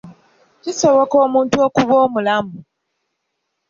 Kisoboka omuntu okuba omulamu.